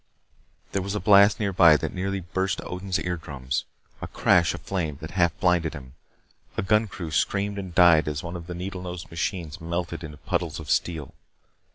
There was a blast nearby that nearly burst Odin's eardrums. A crash of flame that half blinded him. A gun crew screamed and died as one of the needle nosed machines melted into puddles of steel.